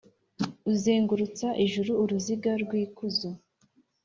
uzengurutsa ijuru uruziga rw’ikuzo,